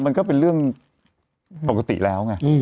มันก็เป็นเรื่องปกติแล้วไง